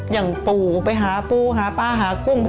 อย่างปู่ไปหาปูหาปลาหากุ้ง